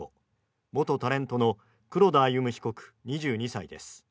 元タレントの黒田歩夢被告２２歳です。